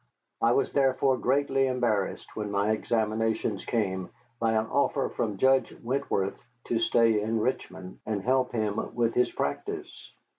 I was therefore greatly embarrassed, when my examinations came, by an offer from Judge Wentworth to stay in Richmond and help him with his practice.